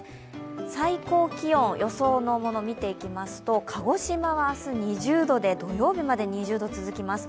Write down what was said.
最高気温、予想のものを見ていきますと鹿児島は明日２０度で土曜日まで２０度が続きます。